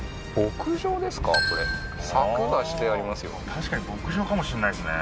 確かに牧場かもしれないですね